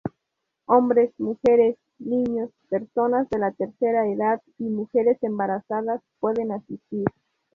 Hombres, mujeres, niños, personas de la tercera edad y mujeres embarazadas pueden asistir.